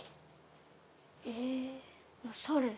えおしゃれ。